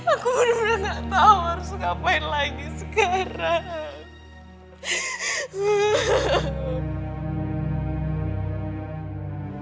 aku bener bener gak tahu harus ngapain lagi sekarang